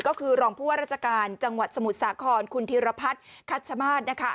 ก็คือรองผู้ว่าราชการจังหวัดสมุทรสาครคุณธิรพัฒน์คัชมาศนะคะ